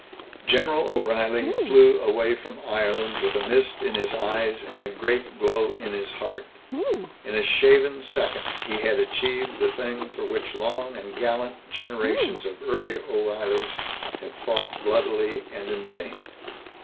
General O'Reilly flew away from Ireland with a mist in his eyes and a great glow in his heart. In a shaven second, he had achieved the thing for which long and gallant generations of earlier O'Reillys had fought bloodily and in vain.